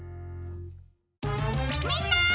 みんな！